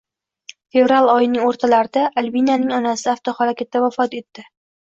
Fevral oyining o'rtalarida Albinaning onasi avtohalokatda vafot etdi